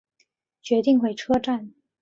决定回车站